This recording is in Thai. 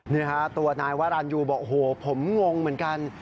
นี่ฮะตัวนายวรรณยูบอกโอ้โหผมงงเหมือนกัน